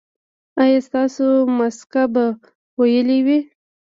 ایا ستاسو مسکه به ویلې وي؟